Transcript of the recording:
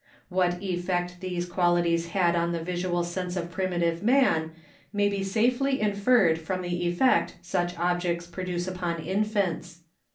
What effect these qualities had upon the visual sense of primitive man may be safely inferred from the effect such objects produce upon infants.